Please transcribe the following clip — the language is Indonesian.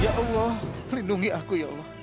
ya allah lindungi aku ya allah